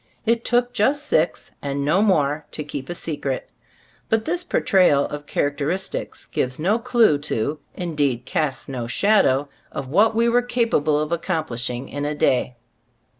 It took just six, and no more, to keep a secret. But this por trayal of characteristics gives no clue to, indeed casts no shadow, of what we were capable of accomplishing in a day.